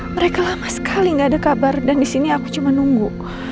mereka lama sekali gak ada kabar dan disini aku cuma nunggu